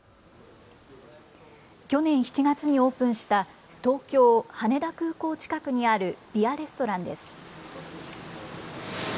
去年７月にオープンした東京羽田空港近くにあるビアレストランです。